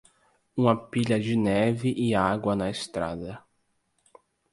uma pilha de neve e água na estrada